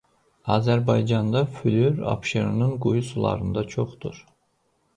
Azərbaycanda flüor Abşeronun quyu sularında çoxdur.